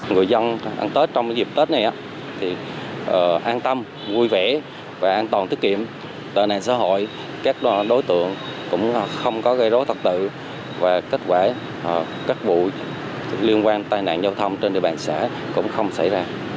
người dân ăn tết trong dịp tết này thì an tâm vui vẻ và an toàn tiết kiệm tệ nạn xã hội các đối tượng cũng không có gây rối thật tự và kết quả các bụi liên quan tai nạn giao thông trên địa bàn xã cũng không xảy ra